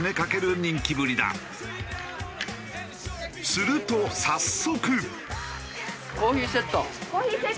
すると早速。